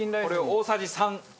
大さじ３。